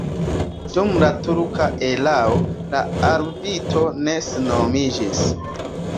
Dum la turka erao la urbeto ne senhomiĝis.